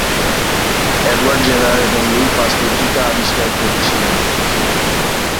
Edward Jenner এবং Louis Pasteur টিকা আবিষ্কার করেছিলেন।